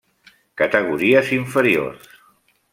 Categories inferiors.